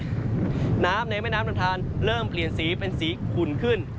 น้ำในแม่น้ำลำทานเริ่มเปลี่ยนสีเป็นสีขุ่นขึ้น